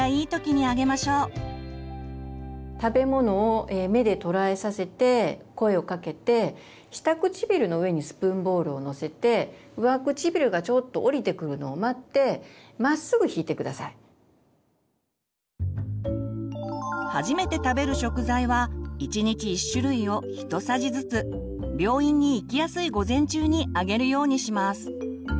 食べ物を目で捉えさせて声をかけて下唇の上にスプーンボールをのせて初めて食べる食材は１日１種類をひとさじずつ病院に行きやすい午前中にあげるようにします。